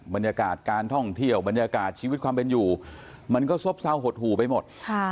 บรรยากาศการท่องเที่ยวบรรยากาศชีวิตความเป็นอยู่มันก็ซบเศร้าหดหู่ไปหมด